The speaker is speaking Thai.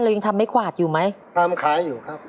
เรายังทำไม่ขวาดอยู่ไหมครับครับทำขายอยู่ครับ